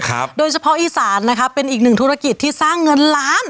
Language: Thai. โดยเฉพาะอีสานนะคะเป็นอีกหนึ่งธุรกิจที่สร้างเงินล้าน